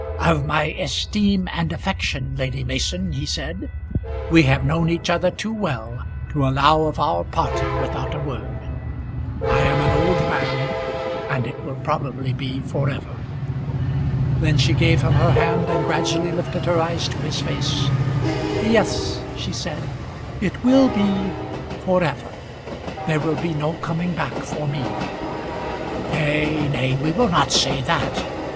"Of my esteem and affection, Lady Mason," he said. "We have known each other too well to allow of our parting without a word. I am an old man, and it will probably be for ever." Then she gave him her hand, and gradually lifted her eyes to his face. "Yes," she said; "it will be for ever. There will be no coming back for me." "Nay, nay; we will not say that.